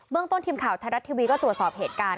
ต้นทีมข่าวไทยรัฐทีวีก็ตรวจสอบเหตุการณ์